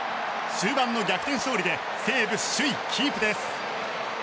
終盤の逆転勝利で西武、首位キープです。